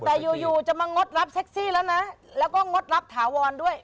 แต่อยู่อยู่จะมางดรับแท็กซี่แล้วนะแล้วก็งดรับถาวรด้วย